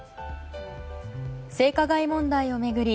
性加害問題を巡り